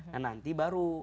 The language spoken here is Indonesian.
nah nanti baru